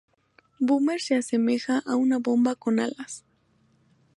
Boomer se asemeja a una bomba con alas.